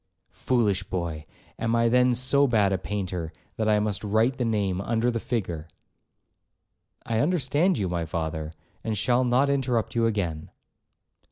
'Foolish boy,—am I then so bad a painter, that I must write the name under the figure.' 'I understand you, my father, and shall not interrupt you again.'